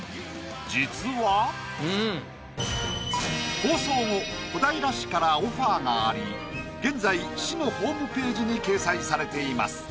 放送後小平市からオファーがあり現在市のホームページに掲載されています。